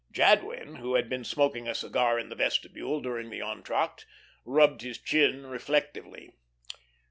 Jadwin, who had been smoking a cigar in the vestibule during the entr'acte, rubbed his chin reflectively.